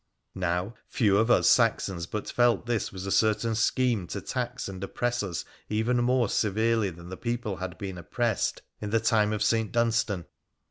Now, few of us Saxons but felt this was a certain scheme to tax and oppress as even more severely than the people had been oppressed in 96 WONDERFUL ADVENTURES OF the time of St. Dunstan.